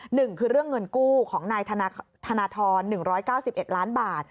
หนึ่งคือเรื่องเงินกู้ของนายธนทร๑๙๑ล้านบาท